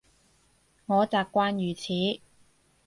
我習慣如此